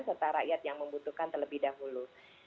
serta rakyat yang membutuhkan terlebih dahulu